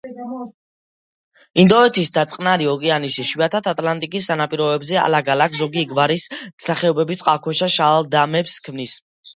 ინდოეთის და წყნარი ოკეანის, იშვიათად ატლანტიკის სანაპიროებზე ალაგ-ალაგ ზოგი გვარის სახეობები წყალქვეშა შალდამებს ქმნის.